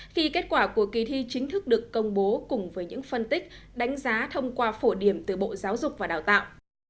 khi kết quả của kỳ thi chính thức được công bố cùng với những phân tích đánh giá thông qua phổ điểm từ bộ giáo dục và đào tạo